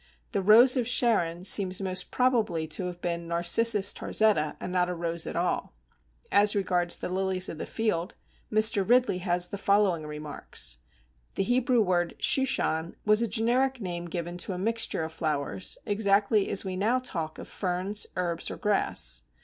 The Rose of Sharon seems most probably to have been Narcissus Tarzetta, and not a rose at all. As regards the lilies of the Field, Mr. Ridley has the following remarks. The Hebrew word Shushan was a generic name given to a mixture of flowers, exactly as we now talk of ferns, herbs, or grass.